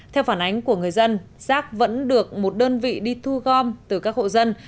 theo phản ánh của người dân rác vẫn được một đơn vị đi thu gom từ các hộ dân